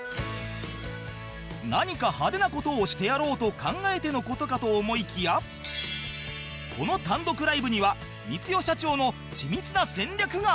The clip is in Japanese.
何か派手な事をしてやろうと考えての事かと思いきやこの単独ライブには光代社長の緻密な戦略があった